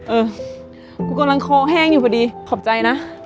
เออกูกำลังคอแห้งอยู่พอดีขอบใจนะ